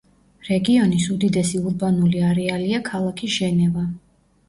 რეგიონის უდიდესი ურბანული არეალია ქალაქი ჟენევა.